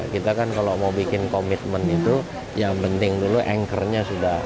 kita kan kalau mau bikin komitmen itu yang penting dulu anchornya sudah